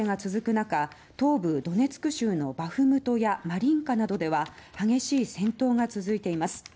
中東部ドネツク州のバフムトやマリンカなどでは激しい戦闘が続いています。